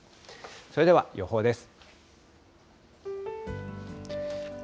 それでは予報です。